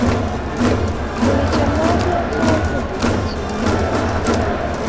Buli kye nandyetaaze nkirina kati.